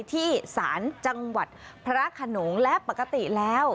ที่ศาลจังหวัดพระขนงและปกติแล้ว